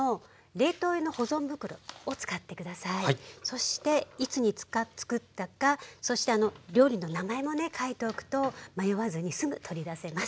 そしていつにつくったかそして料理の名前もね書いておくと迷わずにすぐ取り出せます。